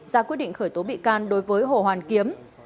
ra quyết định khởi tố bị can đối với hồ hoàn kiếm